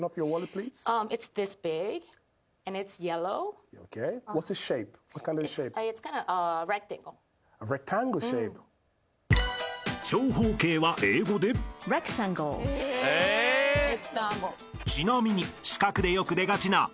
［ちなみに四角でよく出がちな］